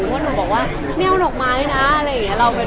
ว่าหนูบอกว่าไม่เอาดอกไม้นะอะไรอย่างนี้